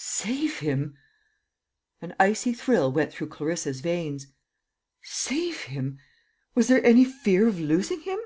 Save him! An icy thrill went through Clarissa's veins. Save him! Was there any fear of losing him?